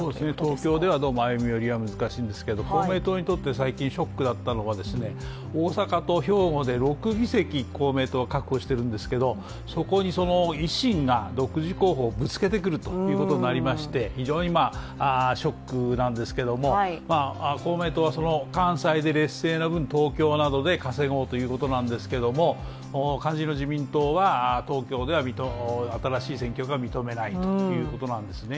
東京では、どうも歩み寄りはむしいんですけれども、公明党にとって最近ショックだったのは大阪と兵庫で６議席、公明党は確保しているんですけどそこに維新が独自候補をぶつけてくるということになりまして非常にショックなんですけれども公明党はその関西で劣勢な分東京で稼ごうということなんですけれども肝心の自民党は東京では新しい選挙区は認めないということなんですね